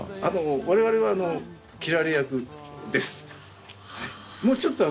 我々は斬られ役です。